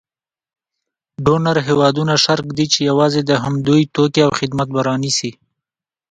ډونر هېوادونه شرط ږدي چې یوازې د همدوی توکي او خدمات به رانیسي.